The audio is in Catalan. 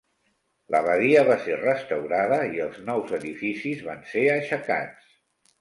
L'abadia va ser restaurada i els nous edificis van ser aixecats.